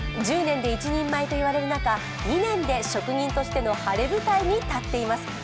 １０年で一人前といわれる中、２年で職人としての晴れ舞台に立っています。